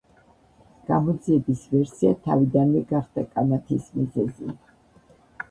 გამოძიების ვერსია თავიდანვე გახდა კამათის მიზეზი.